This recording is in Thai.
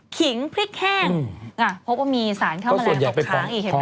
ขิงพริกแห้งเพราะว่ามีสารเข้ามาแล้วตกค้างอีก